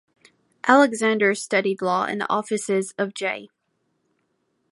Alexander studied law in the offices of J.